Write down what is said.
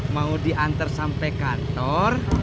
mau diantar sampai kantor